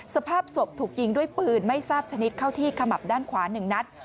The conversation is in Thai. สภาพศพถูกยิงด้วยปืนไม่ทราบชนิดเข้าที่ขมับด้านขวา๑นัด